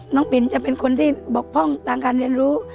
ปินจะเป็นคนที่บกพร่องทางการเรียนรู้